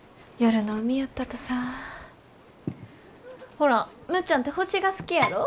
ほらむっちゃんて星が好きやろ？